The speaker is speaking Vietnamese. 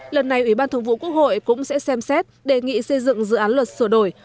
lần này ủy ban thường vụ quốc hội cũng sẽ xem xét đề nghị xây dựng dự án luật sửa đổi